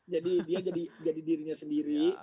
jadi dia jadi dirinya sendiri